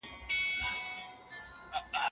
ستونزې حل کول د ماشومانو د پلار یوه مسؤلیت ده.